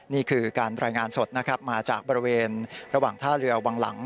นี่คือการรายงานสดนะครับมาจากบริเวณระหว่างท่าเรือวังหลัง